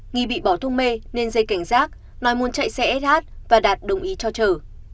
nghĩ bị bỏ thúc mê nên dê cảnh giác nói muốn chạy xe sh và đạt đồng ý cho trở